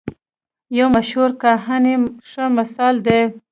یو مشهور کاهن یې ښه مثال دی.